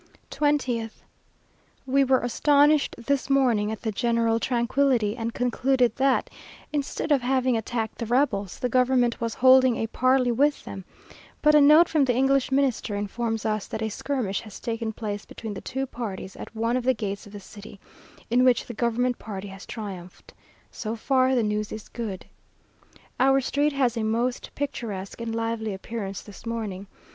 20th. We were astonished this morning at the general tranquillity, and concluded that, instead of having attacked the rebels, the government was holding a parley with them, but a note from the English Minister informs us that a skirmish has taken place between the two parties at one of the gates of the city, in which the government party has triumphed. So far the news is good. Our street has a most picturesque and lively appearance this morning.